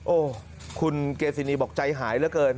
โอ้คุณเกษีนีบอกใจหายแล้วเกิน